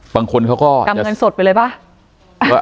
บางคนเขาก็กำเงินสดไปเลยป่ะ